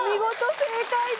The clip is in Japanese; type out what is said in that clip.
正解です。